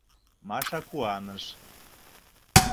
— Маша куаныш.